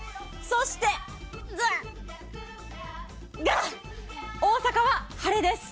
そして、大阪は晴れです。